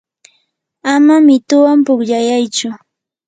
ama mituwan pukllayaychu.